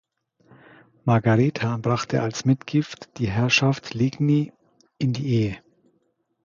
Margareta brachte als Mitgift die Herrschaft Ligny in die Ehe.